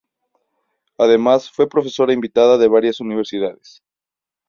Además fue profesora invitada de varias universidades.